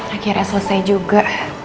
akhirnya selesai juga